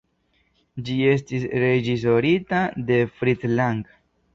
Ĝi estis reĝisorita de Fritz Lang.